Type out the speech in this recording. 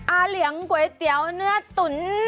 อาเหลียงก๋วยเตี๋ยวเนื้อตุ๋น